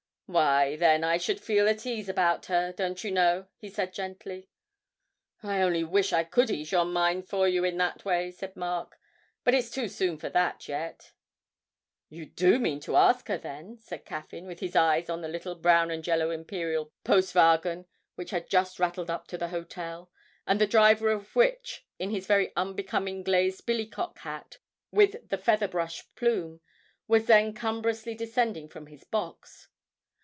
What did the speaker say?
'Why, then I should feel at ease about her, don't you know,' he said gently. 'I only wish I could ease your mind for you in that way,' said Mark, 'but it's too soon for that yet.' 'You do mean to ask her, then?' said Caffyn, with his eyes on the little brown and yellow imperial postwagen which had just rattled up to the hotel, and the driver of which, in his very unbecoming glazed billycock hat with the featherbrush plume, was then cumbrously descending from his box.